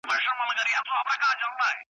څوک په پردیو نه وي ښاغلي ,